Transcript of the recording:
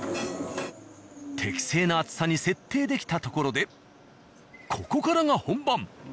適正な厚さに設定できたところでここからが本番。